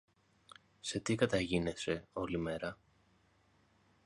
Σε τι καταγίνεσαι όλη μέρα;